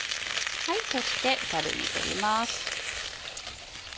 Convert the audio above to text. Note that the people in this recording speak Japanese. そしてザルに取ります。